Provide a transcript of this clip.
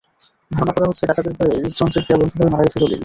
ধারণা করা হচ্ছে, ডাকাতের ভয়ে হৃদ্যন্ত্রের ক্রিয়া বন্ধ হয়ে মারা গেছেন জলিল।